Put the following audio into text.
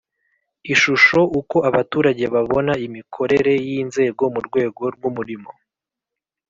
Ishusho Uko abaturage babona imikorere y inzego mu rwego rw umurimo